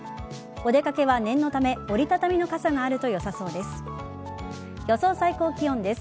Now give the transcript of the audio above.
お出掛けは念のため折り畳みの傘があるとよさそうです。